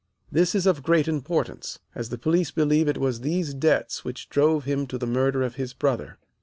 This is of great importance, as the police believe it was these debts which drove him to the murder of his brother.